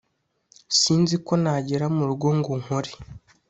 sinziko nagera mu rugo ngo nkore